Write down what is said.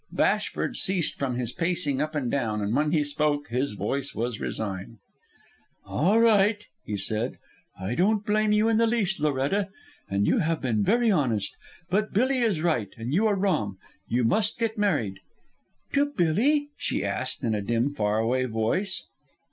Bashford ceased from his pacing up and down, and when he spoke, his voice was resigned. "All right," he said. "I don't blame you in the least, Loretta. And you have been very honest. But Billy is right, and you are wrong. You must get married." "To Billy?" she asked, in a dim, far away voice.